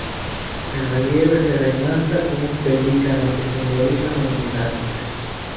El relieve se remata con un pelícano, que simboliza la abundancia.